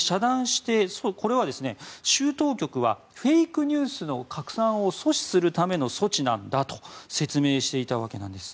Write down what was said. これを州当局はフェイクニュースの拡散を阻止するための措置なんだと説明していたわけなんです。